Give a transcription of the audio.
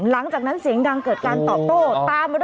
หลังจากนั้นเสียงดังเกิดตอบโต